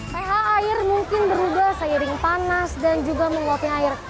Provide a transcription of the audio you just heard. ph air mungkin berubah seiring panas dan juga meluapnya air